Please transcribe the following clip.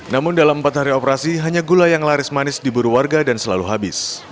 namun dalam empat hari operasi hanya gula yang laris manis diburu warga dan selalu habis